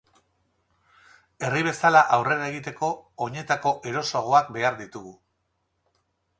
Herri bezala aurrera egiteko, oinetako erosoagoak behar ditugu.